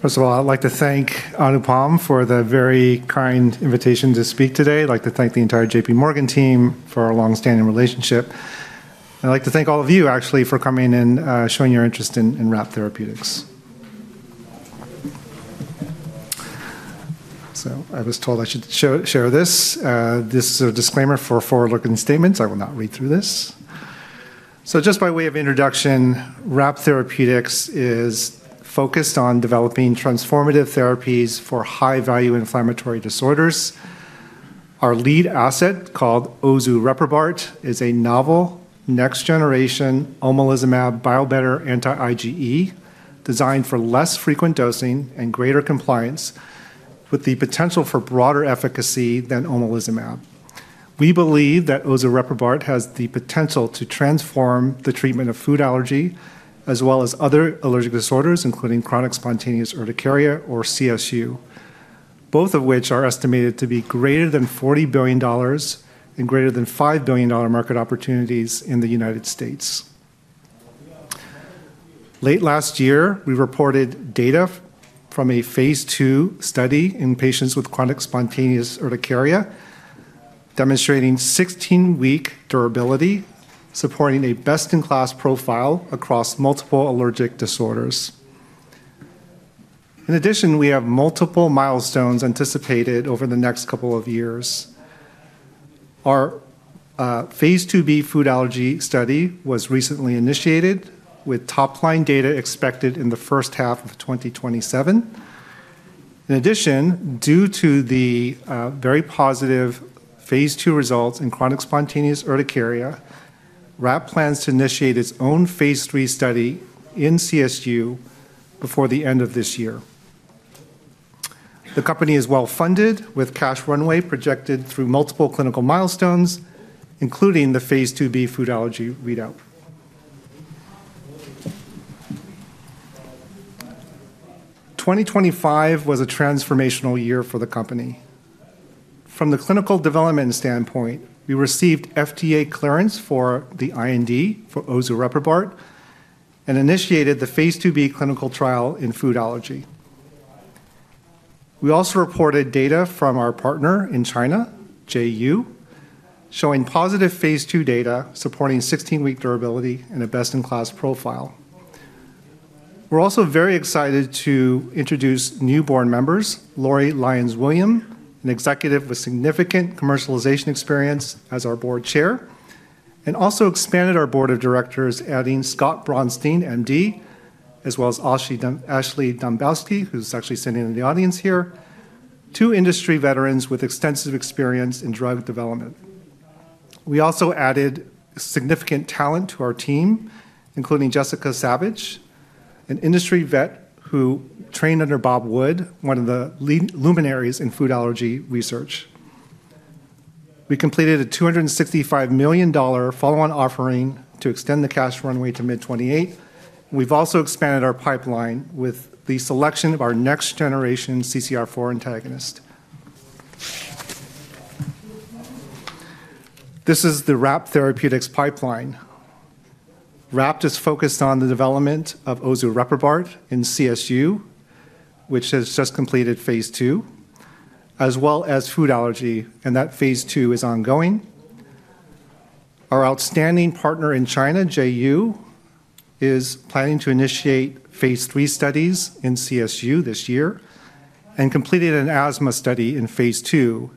First of all, I'd like to thank Anupam for the very kind invitation to speak today. I'd like to thank the entire JP Morgan team for our longstanding relationship. I'd like to thank all of you, actually, for coming and showing your interest in RAPT Therapeutics. So I was told I should share this. This is a disclaimer for forward-looking statements. I will not read through this. So just by way of introduction, RAPT Therapeutics is focused on developing transformative therapies for high-value inflammatory disorders. Our lead asset, called Ozureprobart, is a novel next-generation Omalizumab biobetter anti-IgE designed for less frequent dosing and greater compliance, with the potential for broader efficacy than Omalizumab. We believe that Ozureprobart has the potential to transform the treatment of food allergy as well as other allergic disorders, including chronic spontaneous urticaria or CSU, both of which are estimated to be greater than $40 billion and greater than $5 billion market opportunities in the United States. Late last year, we reported data from a phase 2 study in patients with chronic spontaneous urticaria, demonstrating 16-week durability, supporting a best-in-class profile across multiple allergic disorders. In addition, we have multiple milestones anticipated over the next couple of years. Our phase 2b food allergy study was recently initiated, with top-line data expected in the first half of 2027. In addition, due to the very positive phase 2 results in chronic spontaneous urticaria, RAPT plans to initiate its own phase 3 study in CSU before the end of this year. The company is well-funded, with cash runway projected through multiple clinical milestones, including the phase 2b food allergy readout. 2025 was a transformational year for the company. From the clinical development standpoint, we received FDA clearance for the IND for Ozureprobart and initiated the phase 2b clinical trial in food allergy. We also reported data from our partner in China, JU, showing positive phase 2 data supporting 16-week durability and a best-in-class profile. We're also very excited to introduce new board members, Lori Lyons-Williams, an executive with significant commercialization experience as our board chair, and also expanded our board of directors, adding Scott Braunstein, MD, as well as Ashley Dombkowski, who's actually sitting in the audience here, two industry veterans with extensive experience in drug development. We also added significant talent to our team, including Jessica Savage, an industry vet who trained under Bob Wood, one of the luminaries in food allergy research. We completed a $265 million follow-on offering to extend the cash runway to mid-2028. We've also expanded our pipeline with the selection of our next-generation CCR4 antagonist. This is the RAPT Therapeutics pipeline. RAPT is focused on the development of Ozureprobart in CSU, which has just completed phase 2, as well as food allergy, and that phase 2 is ongoing. Our outstanding partner in China, JU, is planning to initiate phase 3 studies in CSU this year and completed an asthma study in phase 2,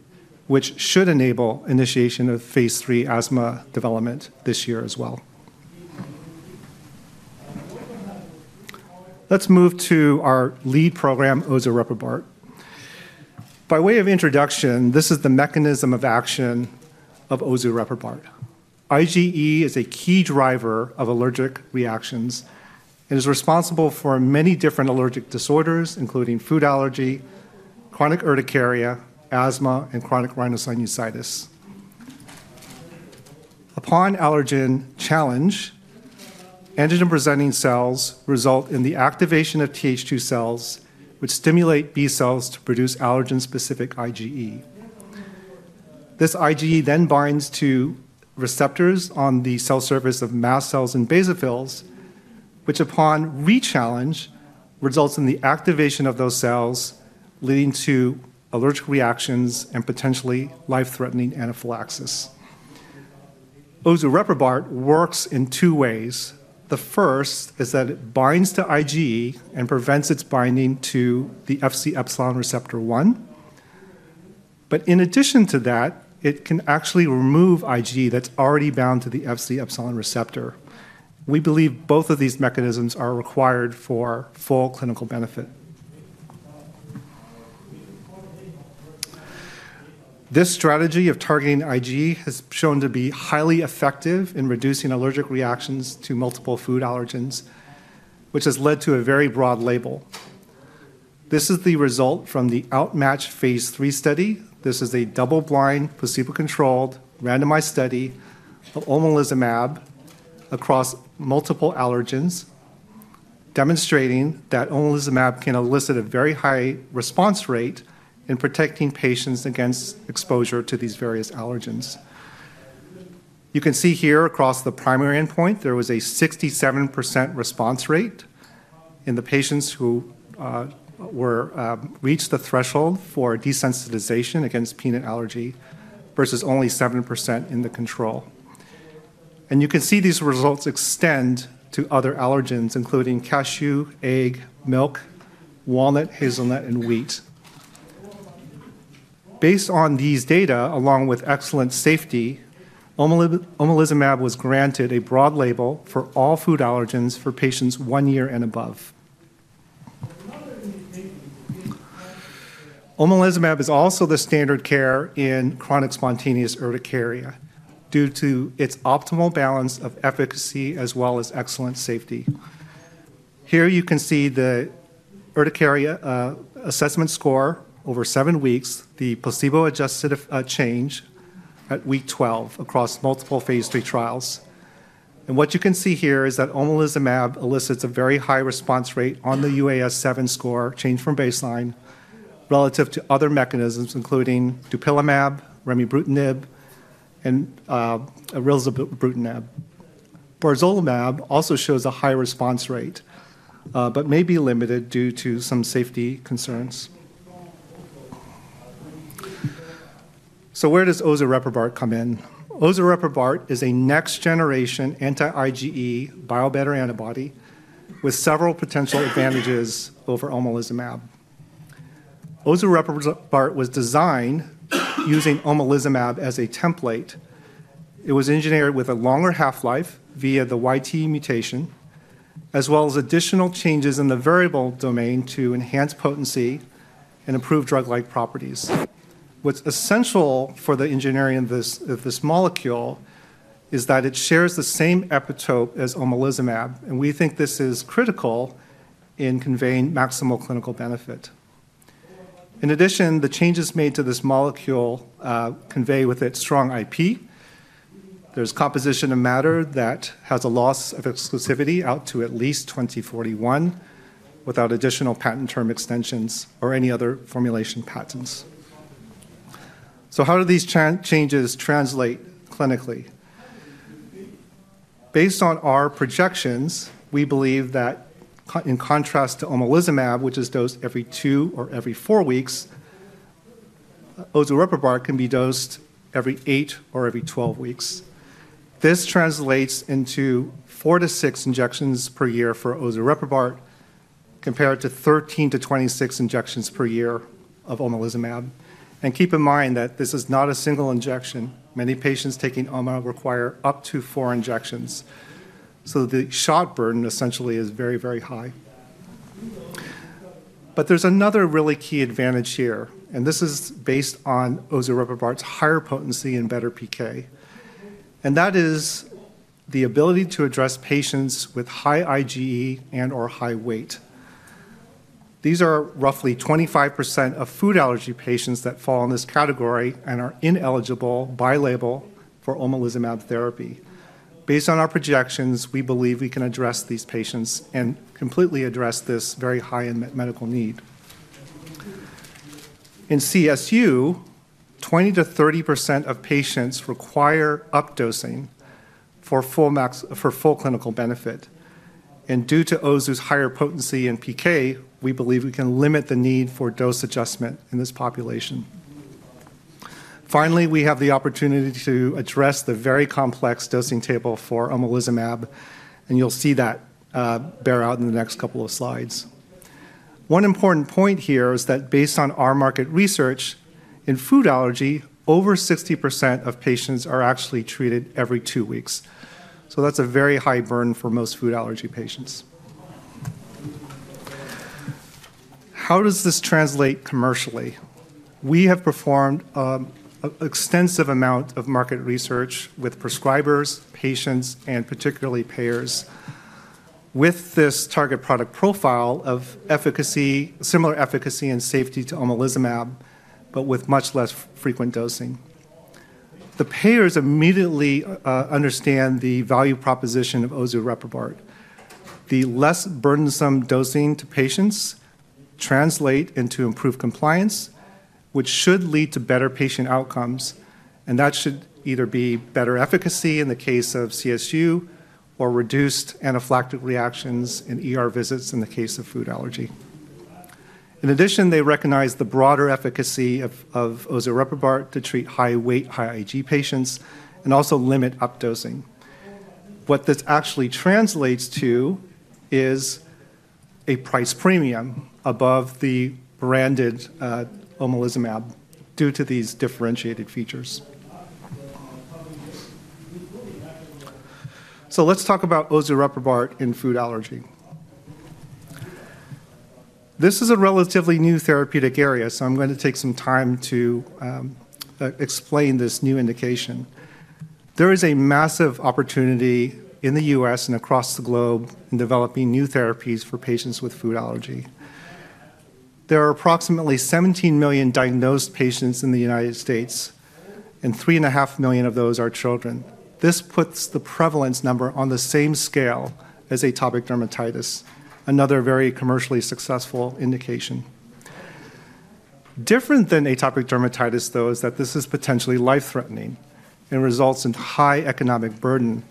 which should enable initiation of phase 3 asthma development this year as well. Let's move to our lead program, Ozureprobart. By way of introduction, this is the mechanism of action of Ozureprobart. IgE is a key driver of allergic reactions and is responsible for many different allergic disorders, including food allergy, chronic urticaria, asthma, and chronic rhinosinusitis. Upon allergen challenge, antigen-presenting cells result in the activation of Th2 cells, which stimulate B cells to produce allergen-specific IgE. This IgE then binds to receptors on the cell surface of mast cells and basophils, which, upon re-challenge, results in the activation of those cells, leading to allergic reactions and potentially life-threatening anaphylaxis. Ozureprobart works in two ways. The first is that it binds to IgE and prevents its binding to the Fc epsilon receptor I. But in addition to that, it can actually remove IgE that's already bound to the Fc epsilon receptor I. We believe both of these mechanisms are required for full clinical benefit. This strategy of targeting IgE has shown to be highly effective in reducing allergic reactions to multiple food allergens, which has led to a very broad label. This is the result from the OUtMATCH phase 3 study. This is a double-blind, placebo-controlled, randomized study of Omalizumab across multiple allergens, demonstrating that Omalizumab can elicit a very high response rate in protecting patients against exposure to these various allergens. You can see here across the primary endpoint, there was a 67% response rate in the patients who reached the threshold for desensitization against peanut allergy versus only 7% in the control. And you can see these results extend to other allergens, including cashew, egg, milk, walnut, hazelnut, and wheat. Based on these data, along with excellent safety, Omalizumab was granted a broad label for all food allergens for patients one year and above. Omalizumab is also the standard care in chronic spontaneous urticaria due to its optimal balance of efficacy as well as excellent safety. Here you can see the urticaria assessment score over seven weeks, the placebo-adjusted change at week 12 across multiple phase 3 trials. What you can see here is that omalizumab elicits a very high response rate on the UAS-7 score change from baseline relative to other mechanisms, including dupilumab, remibrutinib, and rilzabrutinib. Barzolvolimab also shows a high response rate, but may be limited due to some safety concerns. Where does Ozureprobart come in? Ozureprobart is a next-generation anti-IgE biobetter antibody with several potential advantages over omalizumab. Ozureprobart was designed using omalizumab as a template. It was engineered with a longer half-life via the YTE mutation, as well as additional changes in the variable domain to enhance potency and improve drug-like properties. What's essential for the engineering of this molecule is that it shares the same epitope as Omalazumab, and we think this is critical in conveying maximal clinical benefit. In addition, the changes made to this molecule convey with it strong IP. There's composition of matter that has a loss of exclusivity out to at least 2041 without additional patent term extensions or any other formulation patents. So how do these changes translate clinically? Based on our projections, we believe that in contrast to Omalazumab, which is dosed every two or every four weeks, Ozureprobart can be dosed every eight or every twelve weeks. This translates into four-six injections per year for Ozureprobart, compared to 13-26 injections per year of Omalazumab. Keep in mind that this is not a single injection. Many patients taking OMA require up to four injections. So the shot burden essentially is very, very high. But there's another really key advantage here, and this is based on Ozureprobart's higher potency and better PK. And that is the ability to address patients with high IgE and/or high weight. These are roughly 25% of food allergy patients that fall in this category and are ineligible by label for Omalazumab therapy. Based on our projections, we believe we can address these patients and completely address this very high medical need. In CSU, 20%-30% of patients require updosing for full clinical benefit. And due to Ozu's higher potency and PK, we believe we can limit the need for dose adjustment in this population. Finally, we have the opportunity to address the very complex dosing table for Omalazumab, and you'll see that bear out in the next couple of slides. One important point here is that based on our market research, in food allergy, over 60% of patients are actually treated every two weeks. So that's a very high burden for most food allergy patients. How does this translate commercially? We have performed an extensive amount of market research with prescribers, patients, and particularly payers with this target product profile of similar efficacy and safety to Omalazumab, but with much less frequent dosing. The payers immediately understand the value proposition of Ozureprobart. The less burdensome dosing to patients translates into improved compliance, which should lead to better patient outcomes, and that should either be better efficacy in the case of CSU or reduced anaphylactic reactions in visits in the case of food allergy. In addition, they recognize the broader efficacy of Ozureprobart to treat high-weight, high-IgE patients and also limit updosing. What this actually translates to is a price premium above the branded omalizumab due to these differentiated features. So let's talk about Ozureprobart in food allergy. This is a relatively new therapeutic area, so I'm going to take some time to explain this new indication. There is a massive opportunity in the U.S. and across the globe in developing new therapies for patients with food allergy. There are approximately 17 million diagnosed patients in the United States, and 3.5 million of those are children. This puts the prevalence number on the same scale as atopic dermatitis, another very commercially successful indication. Different than atopic dermatitis, though, is that this is potentially life-threatening and results in high economic burden.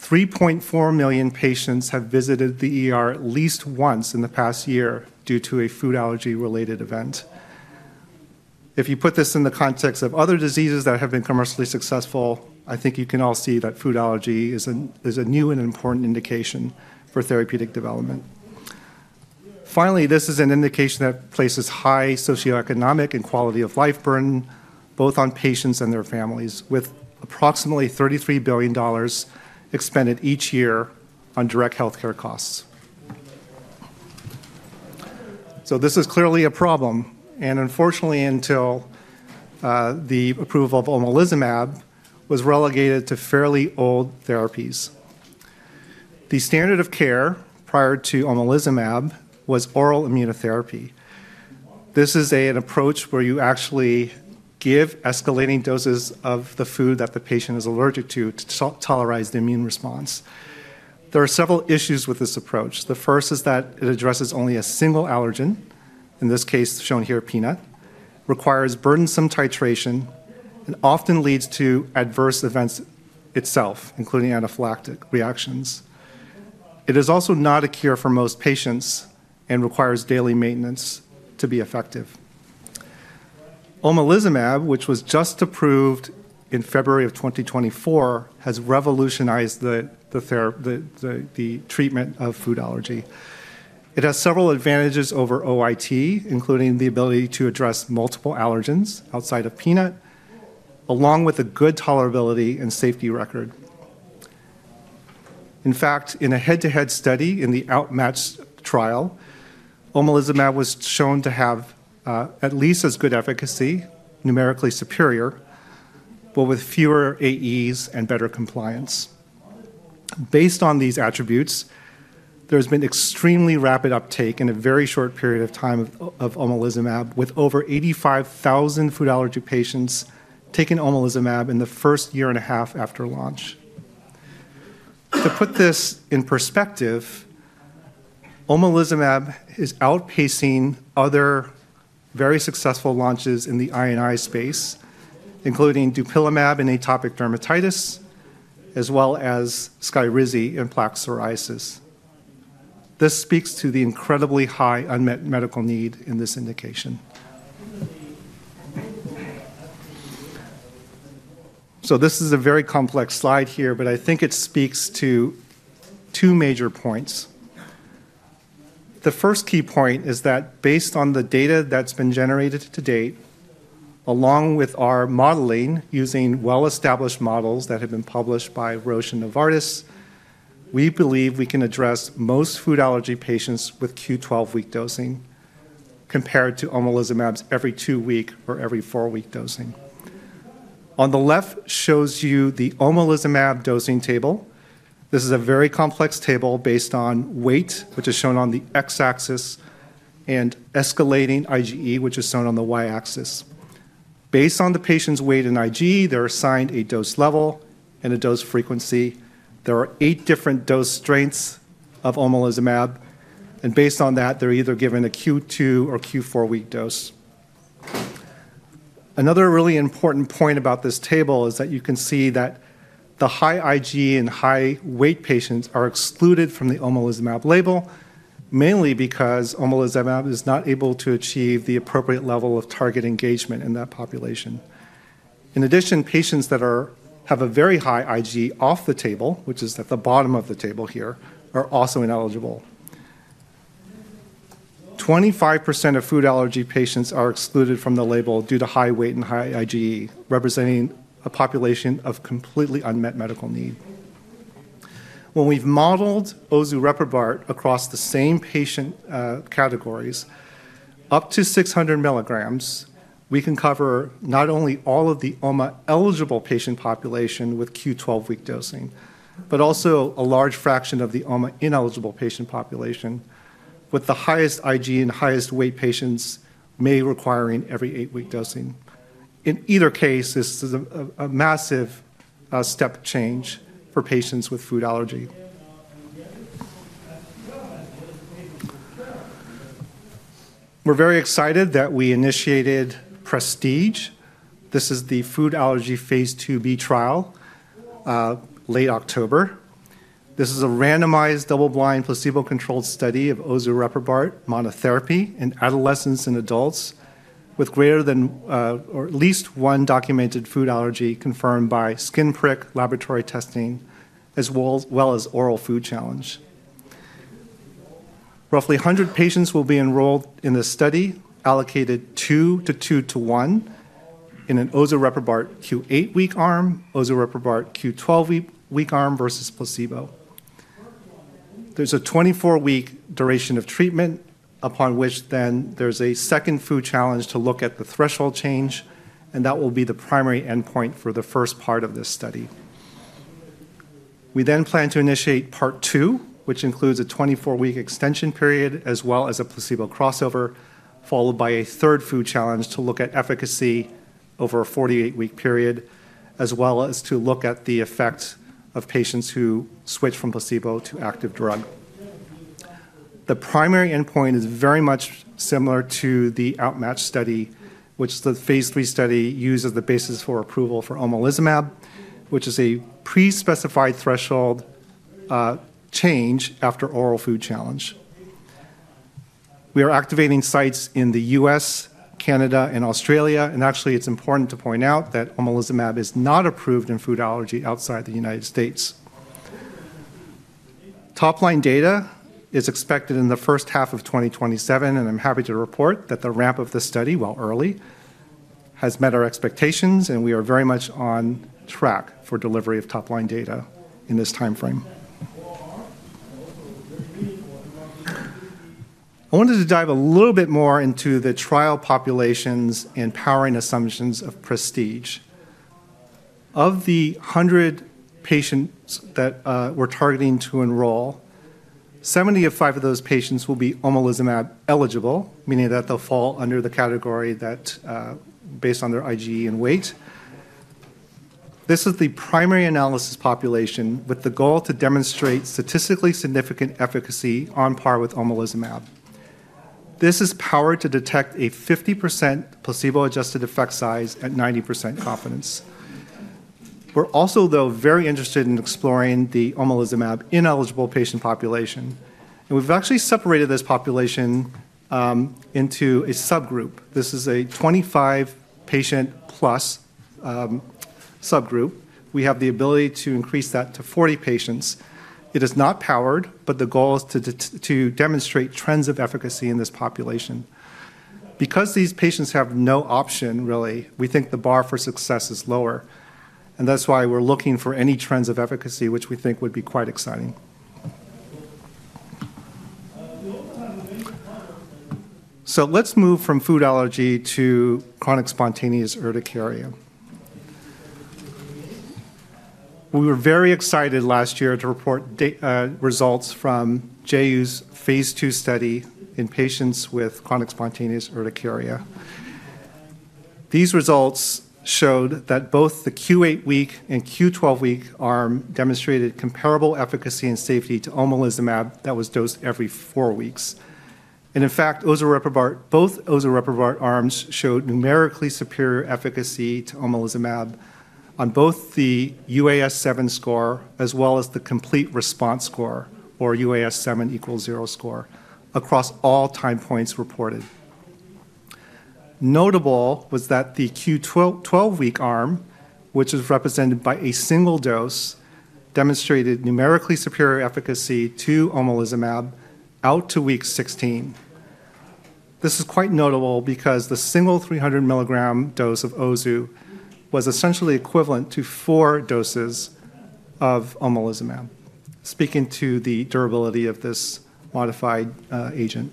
3.4 million patients have visited the ER at least once in the past year due to a food allergy-related event. If you put this in the context of other diseases that have been commercially successful, I think you can all see that food allergy is a new and important indication for therapeutic development. Finally, this is an indication that places high socioeconomic and quality of life burden both on patients and their families, with approximately $33 billion expended each year on direct healthcare costs. So this is clearly a problem, and unfortunately, until the approval of omalizumab, it was relegated to fairly old therapies. The standard of care prior to omalizumab was oral immunotherapy. This is an approach where you actually give escalating doses of the food that the patient is allergic to to tolerize the immune response. There are several issues with this approach. The first is that it addresses only a single allergen, in this case shown here, peanut, requires burdensome titration, and often leads to adverse events itself, including anaphylactic reactions. It is also not a cure for most patients and requires daily maintenance to be effective. Omalazumab, which was just approved in February of 2024, has revolutionized the treatment of food allergy. It has several advantages over OIT, including the ability to address multiple allergens outside of peanut, along with a good tolerability and safety record. In fact, in a head-to-head study in the OutMatch trial, Omalazumab was shown to have at least as good efficacy, numerically superior, but with fewer AEs and better compliance. Based on these attributes, there has been extremely rapid uptake in a very short period of time of Omalazumab, with over 85,000 food allergy patients taking Omalazumab in the first year and a half after launch. To put this in perspective, Omalazumab is outpacing other very successful launches in the IgE space, including Dupilumab in atopic dermatitis, as well as Skyrizi in plaque psoriasis. This speaks to the incredibly high unmet medical need in this indication. So this is a very complex slide here, but I think it speaks to two major points. The first key point is that based on the data that's been generated to date, along with our modeling using well-established models that have been published by Roche and Novartis, we believe we can address most food allergy patients with Q12 week dosing compared to Omalazumab's every two-week or every four-week dosing. On the left shows you the Omalazumab dosing table. This is a very complex table based on weight, which is shown on the X-axis, and escalating IgE, which is shown on the Y-axis. Based on the patient's weight and IgE, they're assigned a dose level and a dose frequency. There are eight different dose strengths of Omalazumab, and based on that, they're either given a Q2 or Q4 week dose. Another really important point about this table is that you can see that the high IgE and high weight patients are excluded from the Omalazumab label, mainly because Omalazumab is not able to achieve the appropriate level of target engagement in that population. In addition, patients that have a very high IgE off the table, which is at the bottom of the table here, are also ineligible. 25% of food allergy patients are excluded from the label due to high weight and high IgE, representing a population of completely unmet medical need. When we've modeled Ozureprobart across the same patient categories, up to 600 milligrams, we can cover not only all of the OMA-eligible patient population with Q12 week dosing, but also a large fraction of the OMA-ineligible patient population, with the highest IgE and highest weight patients may require every eight-week dosing. In either case, this is a massive step change for patients with food allergy. We're very excited that we initiated PRESTIGE. This is the food allergy phase 2b trial, late October. This is a randomized double-blind placebo-controlled study of Ozureprobart monotherapy in adolescents and adults with greater than or at least one documented food allergy confirmed by skin prick laboratory testing, as well as oral food challenge. Roughly 100 patients will be enrolled in this study, allocated two to two to one in an Ozureprobart Q8 week arm, Ozureprobart Q12 week arm versus placebo. There's a 24-week duration of treatment upon which then there's a second food challenge to look at the threshold change, and that will be the primary endpoint for the first part of this study. We then plan to initiate part two, which includes a 24-week extension period, as well as a placebo crossover, followed by a third food challenge to look at efficacy over a 48-week period, as well as to look at the effects of patients who switch from placebo to active drug. The primary endpoint is very much similar to the OUtMATCH study, which the phase 3 study uses as the basis for approval for omalizumab, which is a pre-specified threshold change after oral food challenge. We are activating sites in the U.S., Canada, and Australia, and actually, it's important to point out that omalizumab is not approved in food allergy outside the United States. Top-line data is expected in the first half of 2027, and I'm happy to report that the ramp of this study, while early, has met our expectations, and we are very much on track for delivery of top-line data in this timeframe. I wanted to dive a little bit more into the trial populations and powering assumptions of PRESTIGE. Of the 100 patients that we're targeting to enroll, 75 of those patients will be omalizumab eligible, meaning that they'll fall under the category based on their IgE and weight. This is the primary analysis population with the goal to demonstrate statistically significant efficacy on par with omalizumab. This is power to detect a 50% placebo-adjusted effect size at 90% confidence. We're also, though, very interested in exploring the omalizumab ineligible patient population, and we've actually separated this population into a subgroup. This is a 25-patient-plus subgroup. We have the ability to increase that to 40 patients. It is not powered, but the goal is to demonstrate trends of efficacy in this population. Because these patients have no option, really, we think the bar for success is lower, and that's why we're looking for any trends of efficacy, which we think would be quite exciting, so let's move from food allergy to chronic spontaneous urticaria. We were very excited last year to report results from JU's phase 2 study in patients with chronic spontaneous urticaria. These results showed that both the Q8 week and Q12 week arm demonstrated comparable efficacy and safety to Omalazumab that was dosed every four weeks, and in fact, both Ozureprobart arms showed numerically superior efficacy to Omalazumab on both the UAS-7 score as well as the complete response score, or UAS-7 equals 0 score, across all time points reported. Notable was that the Q12 week arm, which is represented by a single dose, demonstrated numerically superior efficacy to Omalazumab out to week 16. This is quite notable because the single 300 milligram dose of Ozureprobart was essentially equivalent to four doses of Omalazumab, speaking to the durability of this modified agent.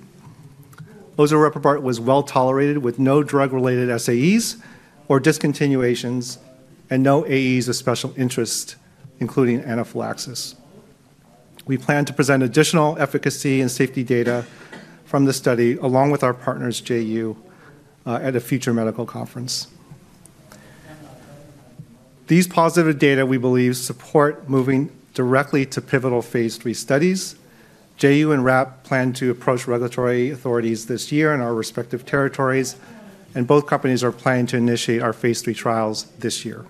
Ozureprobart was well tolerated with no drug-related SAEs or discontinuations and no AEs of special interest, including anaphylaxis. We plan to present additional efficacy and safety data from the study along with our partners, JU, at a future medical conference. These positive data we believe support moving directly to pivotal phase 3 studies. JU and RAPT plan to approach regulatory authorities this year in our respective territories, and both companies are planning to initiate our phase 3 trials this year.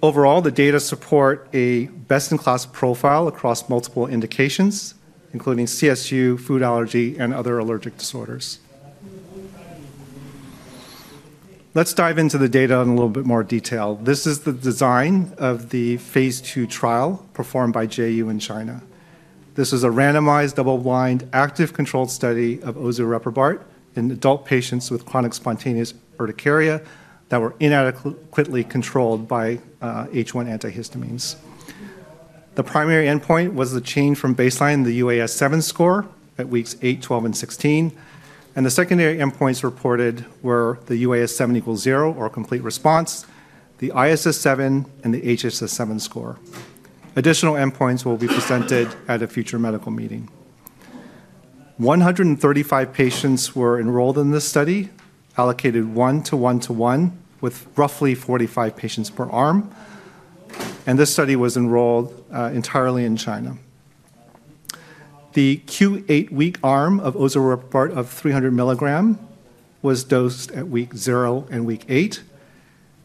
Overall, the data support a best-in-class profile across multiple indications, including CSU, food allergy, and other allergic disorders. Let's dive into the data in a little bit more detail. This is the design of the phase 2 trial performed by JU in China. This is a randomized double-blind active control study of Ozureprobart in adult patients with chronic spontaneous urticaria that were inadequately controlled by H1 antihistamines. The primary endpoint was the change from baseline, the UAS-7 score at weeks 8, 12, and 16, and the secondary endpoints reported were the UAS-7 equals 0 or complete response, the ISS-7, and the HSS-7 score. Additional endpoints will be presented at a future medical meeting. 135 patients were enrolled in this study, allocated one to one to one with roughly 45 patients per arm, and this study was enrolled entirely in China. The Q8 week arm of Ozureprobart of 300 milligram was dosed at week 0 and week 8.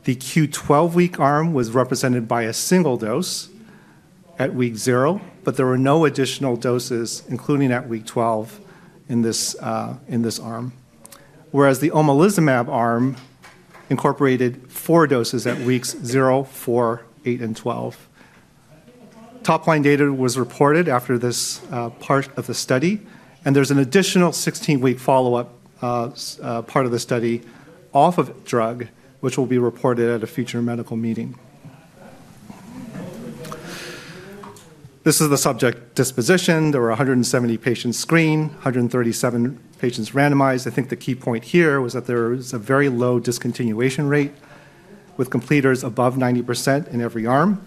The Q12 week arm was represented by a single dose at week 0, but there were no additional doses, including at week 12 in this arm, whereas the Omalazumab arm incorporated four doses at weeks 0, 4, 8, and 12. Top-line data was reported after this part of the study, and there's an additional 16-week follow-up part of the study off of drug, which will be reported at a future medical meeting. This is the subject disposition. There were 170 patients screened, 137 patients randomized. I think the key point here was that there was a very low discontinuation rate with completers above 90% in every arm,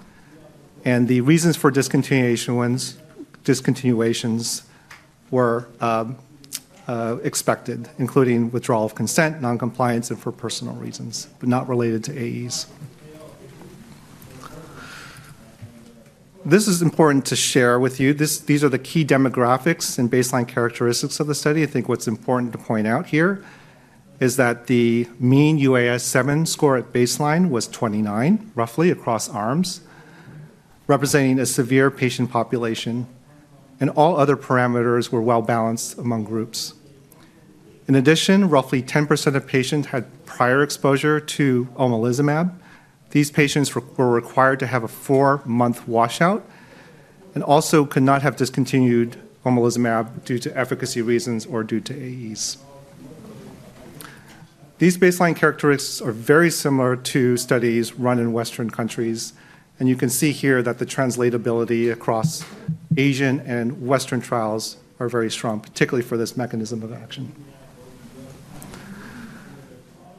and the reasons for discontinuations were expected, including withdrawal of consent, non-compliance, and for personal reasons, but not related to AEs. This is important to share with you. These are the key demographics and baseline characteristics of the study. I think what's important to point out here is that the mean UAS-7 score at baseline was 29, roughly across arms, representing a severe patient population, and all other parameters were well balanced among groups. In addition, roughly 10% of patients had prior exposure to Omalazumab. These patients were required to have a four-month washout and also could not have discontinued Omalazumab due to efficacy reasons or due to AEs. These baseline characteristics are very similar to studies run in Western countries, and you can see here that the translatability across Asian and Western trials is very strong, particularly for this mechanism of action.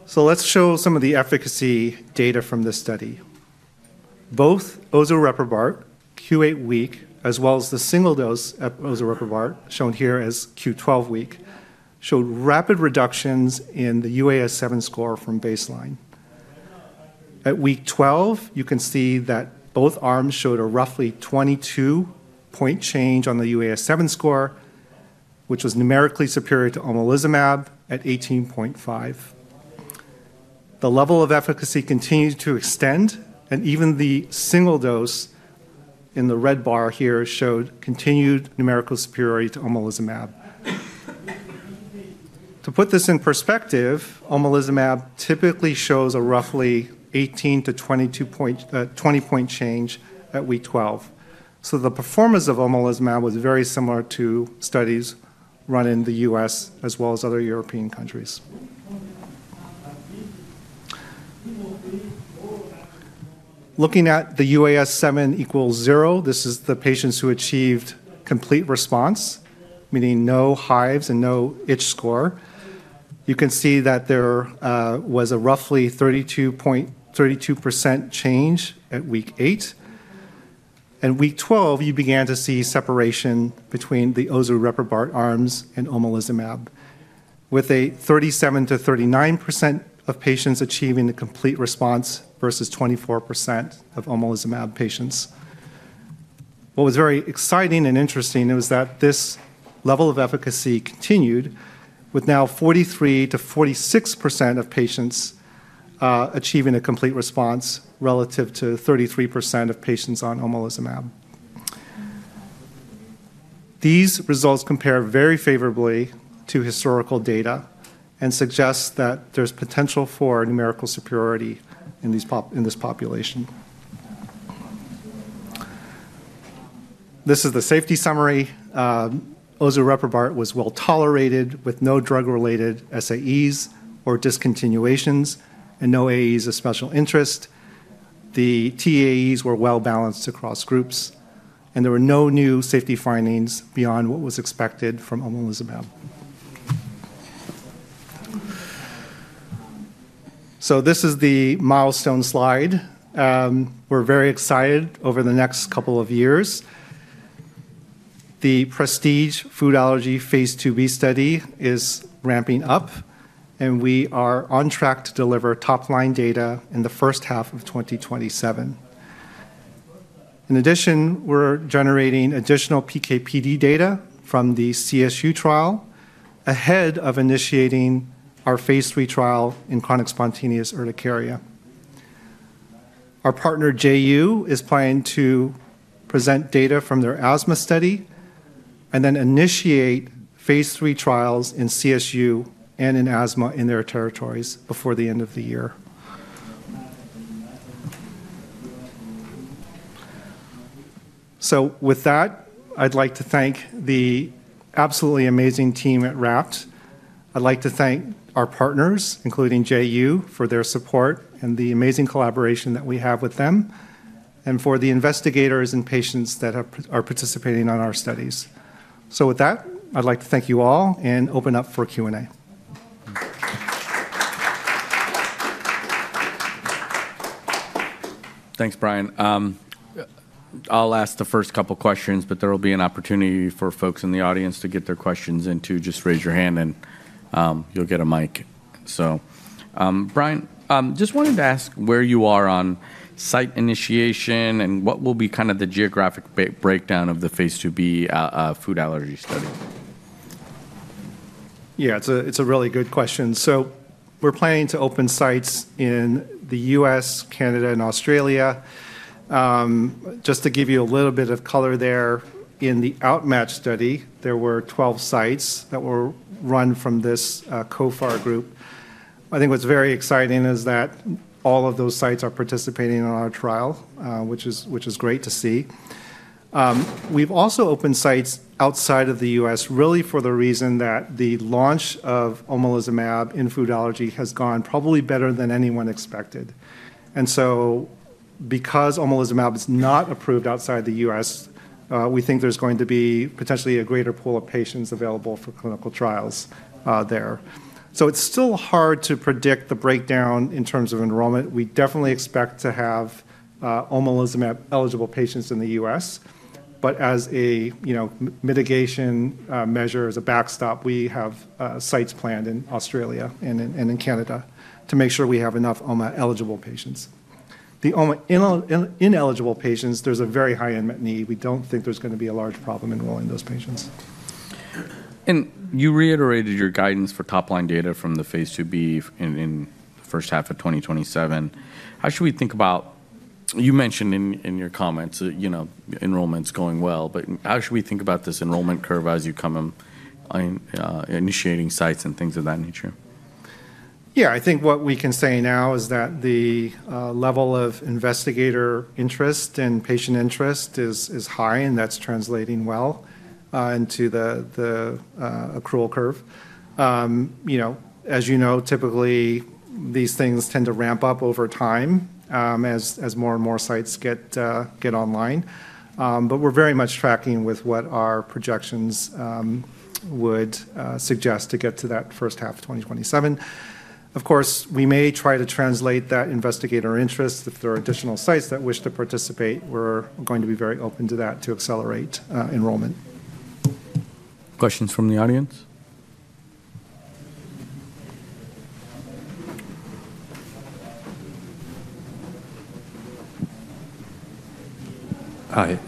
So let's show some of the efficacy data from this study. Both Ozureprobart Q8 week, as well as the single dose of Ozureprobart, shown here as Q12 week, showed rapid reductions in the UAS-7 score from baseline. At week 12, you can see that both arms showed a roughly 22-point change on the UAS-7 score, which was numerically superior to Omalazumab at 18.5. The level of efficacy continued to extend, and even the single dose in the red bar here showed continued numerical superiority to Omalazumab. To put this in perspective, Omalazumab typically shows a roughly 18-20-point change at week 12. So the performance of Omalazumab was very similar to studies run in the U.S. as well as other European countries. Looking at the UAS-7 equals 0, this is the patients who achieved complete response, meaning no hives and no itch score. You can see that there was a roughly 32% change at week 8. At week 12, you began to see separation between the Ozureprobart arms and Omalazumab, with 37%-39% of patients achieving a complete response versus 24% of Omalazumab patients. What was very exciting and interesting was that this level of efficacy continued, with now 43%-46% of patients achieving a complete response relative to 33% of patients on Omalazumab. These results compare very favorably to historical data and suggest that there's potential for numerical superiority in this population. This is the safety summary. Ozureprobart was well tolerated with no drug-related SAEs or discontinuations and no AEs of special interest. The TEAEswere well balanced across groups, and there were no new safety findings beyond what was expected from Omalazumab. So this is the milestone slide. We're very excited over the next couple of years. The PRESTIGE food allergy phase 2b study is ramping up, and we are on track to deliver top-line data in the first half of 2027. In addition, we're generating additional PKPD data from the CSU trial ahead of initiating our phase 3 trial in chronic spontaneous urticaria. Our partner, JU, is planning to present data from their asthma study and then initiate phase 3 trials in CSU and in asthma in their territories before the end of the year. So with that, I'd like to thank the absolutely amazing team at RAPT. I'd like to thank our partners, including JU, for their support and the amazing collaboration that we have with them, and for the investigators and patients that are participating on our studies. So with that, I'd like to thank you all and open up for Q&A. Thanks, Brian. I'll ask the first couple of questions, but there will be an opportunity for folks in the audience to get their questions in too. Just raise your hand and you'll get a mic. So Brian, just wanted to ask where you are on site initiation and what will be kind of the geographic breakdown of the phase 2b food allergy study? Yeah, it's a really good question. So we're planning to open sites in the U.S., Canada, and Australia. Just to give you a little bit of color there, in the OUTMATCH study, there were 12 sites that were run from this COFAR group. I think what's very exciting is that all of those sites are participating in our trial, which is great to see. We've also opened sites outside of the U.S., really for the reason that the launch of Omalazumab in food allergy has gone probably better than anyone expected. And so because Omalazumab is not approved outside the U.S., we think there's going to be potentially a greater pool of patients available for clinical trials there. So it's still hard to predict the breakdown in terms of enrollment. We definitely expect to have omalizumab-eligible patients in the U.S., but as a mitigation measure, as a backstop, we have sites planned in Australia and in Canada to make sure we have enough eligible patients. The ineligible patients, there's a very high unmet need. We don't think there's going to be a large problem enrolling those patients. You reiterated your guidance for top-line data from the phase 2b in the first half of 2027. How should we think about, you mentioned in your comments that enrollment's going well, but how should we think about this enrollment curve as you come in initiating sites and things of that nature? Yeah, I think what we can say now is that the level of investigator interest and patient interest is high, and that's translating well into the accrual curve. As you know, typically these things tend to ramp up over time as more and more sites get online, but we're very much tracking with what our projections would suggest to get to that first half of 2027. Of course, we may try to translate that investigator interest if there are additional sites that wish to participate. We're going to be very open to that to accelerate enrollment. Questions from the audience? Hi.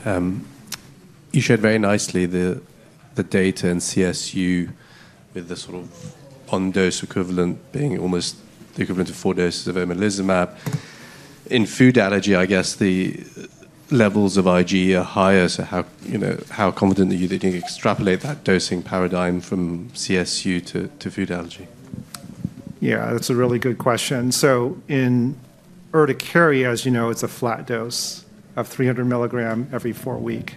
You shared very nicely the data in CSU with the sort of one dose equivalent being almost the equivalent of four doses of omalizumab. In food allergy, I guess the levels of IgE are higher. So how confident are you that you can extrapolate that dosing paradigm from CSU to food allergy? Yeah, that's a really good question. So in urticaria, as you know, it's a flat dose of 300 milligram every four weeks.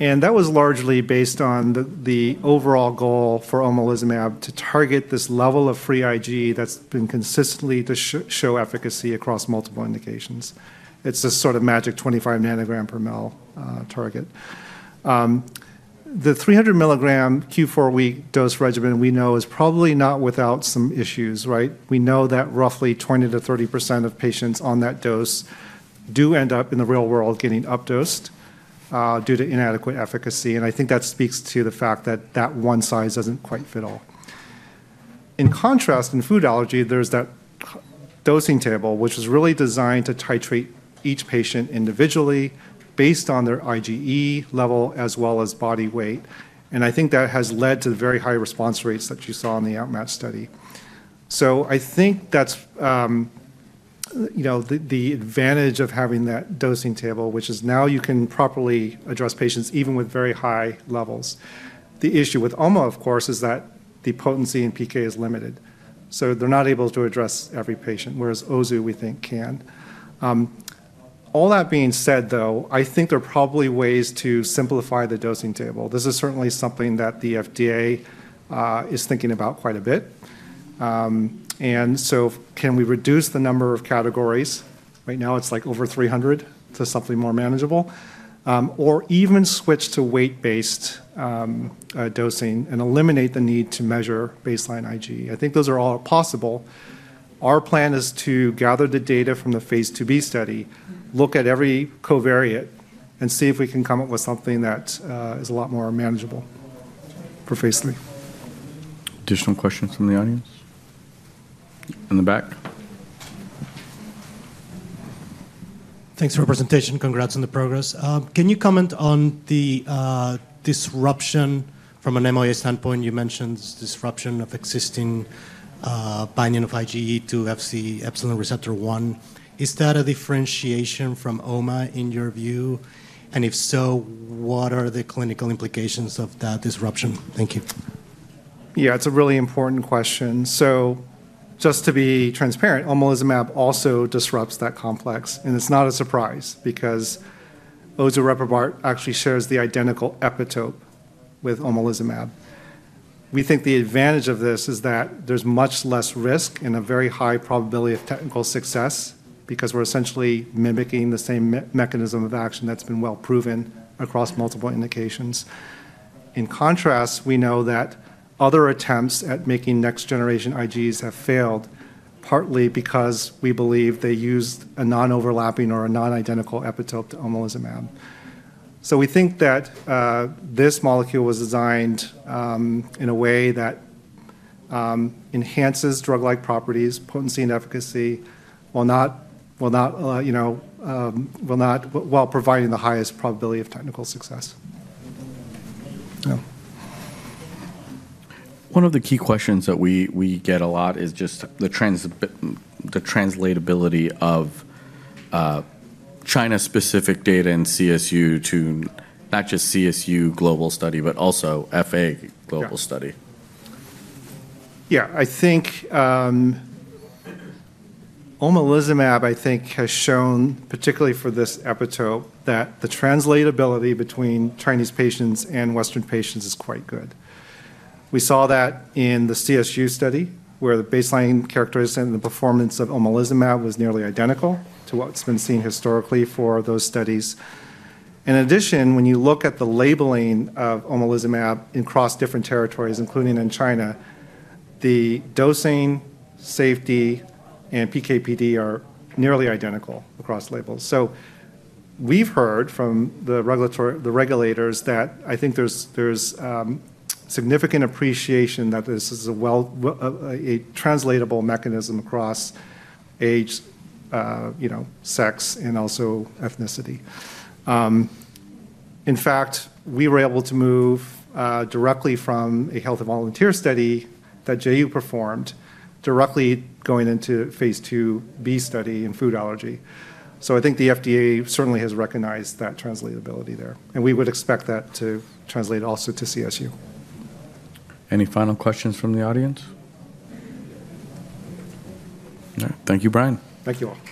And that was largely based on the overall goal for Omalazumab to target this level of free IgE that's been consistently to show efficacy across multiple indications. It's a sort of magic 25 nanogram per mL target. The 300 milligram Q4 week dose regimen we know is probably not without some issues, right? We know that roughly 20%-30% of patients on that dose do end up in the real world getting updosed due to inadequate efficacy. And I think that speaks to the fact that that one size doesn't quite fit all. In contrast, in food allergy, there's that dosing table, which was really designed to titrate each patient individually based on their IgE level as well as body weight. I think that has led to the very high response rates that you saw in the OUTMATCH study. I think that's the advantage of having that dosing table, which is now you can properly address patients even with very high levels. The issue with OMA, of course, is that the potency in PK is limited. So they're not able to address every patient, whereas OZU, we think, can. All that being said, though, I think there are probably ways to simplify the dosing table. This is certainly something that the FDA is thinking about quite a bit. So can we reduce the number of categories? Right now, it's like over 300. It's something more manageable. Or even switch to weight-based dosing and eliminate the need to measure baseline IG. I think those are all possible. Our plan is to gather the data from the phase 2b study, look at every covariate, and see if we can come up with something that is a lot more manageable for phase 3. Additional questions from the audience? In the back? Thanks for your presentation. Congrats on the progress. Can you comment on the disruption from an MOA standpoint? You mentioned disruption of existing binding of IgE to Fc epsilon receptor I. Is that a differentiation from omalizumab in your view? And if so, what are the clinical implications of that disruption? Thank you. Yeah, it's a really important question. So just to be transparent, Omalazumab also disrupts that complex, and it's not a surprise because Ozureprobart actually shares the identical epitope with Omalazumab. We think the advantage of this is that there's much less risk and a very high probability of technical success because we're essentially mimicking the same mechanism of action that's been well proven across multiple indications. In contrast, we know that other attempts at making next-generation IgE have failed, partly because we believe they used a non-overlapping or a non-identical epitope to Omalazumab, so we think that this molecule was designed in a way that enhances drug-like properties, potency and efficacy, while providing the highest probability of technical success. One of the key questions that we get a lot is just the translatability of China-specific data in CSU to not just CSU global study, but also FA global study. Yeah, I think Omalizumab, I think, has shown, particularly for this epitope, that the translatability between Chinese patients and Western patients is quite good. We saw that in the CSU study where the baseline characteristic and the performance of Omalizumab was nearly identical to what's been seen historically for those studies. In addition, when you look at the labeling of Omalizumab across different territories, including in China, the dosing, safety, and PKPD are nearly identical across labels, so we've heard from the regulators that I think there's significant appreciation that this is a translatable mechanism across age, sex, and also ethnicity. In fact, we were able to move directly from a healthy volunteer study that JU performed directly going into phase 2b study in food allergy, so I think the FDA certainly has recognized that translatability there, and we would expect that to translate also to CSU. Any final questions from the audience? All right. Thank you, Brian. Thank you all.